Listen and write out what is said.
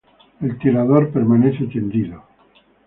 El tirador permanece tendido.